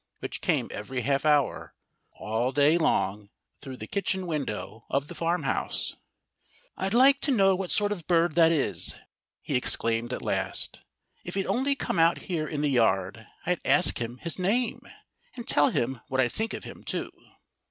which came every half hour, all day long, through the kitchen window of the farmhouse. "I'd like to know what sort of bird that is!" he exclaimed at last. "If he'd only come out here in the yard I'd ask him his name and tell him what I think of him, too."